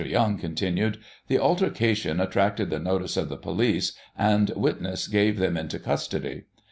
Young continued : The altercation attracted the notice of the police, and witness gave them into custody.